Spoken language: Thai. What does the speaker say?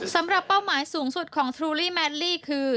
สำหรับเป้าหมายสูงสุดของทรูลี่แมดลี่คือ